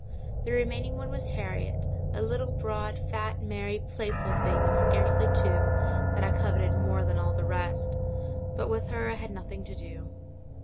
The remaining one was Harriet, a little broad, fat, merry, playful thing of scarcely two, that I coveted more than all the rest—but with her I had nothing to do.